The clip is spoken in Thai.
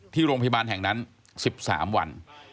ที่โรงพยาบาลแห่งนั้น๑๓วัน